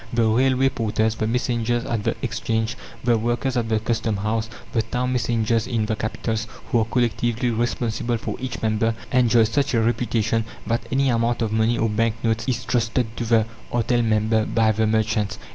The railway porters, the messengers at the Exchange, the workers at the Custom House, the town messengers in the capitals, who are collectively responsible for each member, enjoy such a reputation that any amount of money or bank notes is trusted to the artel member by the merchants.